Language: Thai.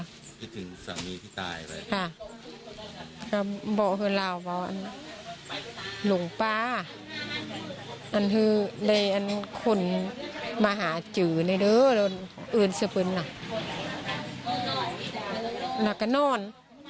คิดถึงสามีที่ตายไปค่ะก็บอกว่าหลงป้าอันคือเลยอันคนมาหาจือในเดือนอื่นสิบอื่นอ่ะแล้วก็นอน